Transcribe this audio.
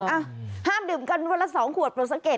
อ้าวห้ามดื่มกันเวลา๒ขวดโปรดสังเกต